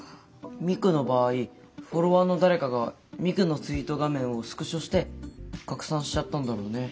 ミクの場合フォロワーの誰かがミクのツイート画面をスクショして拡散しちゃったんだろうね。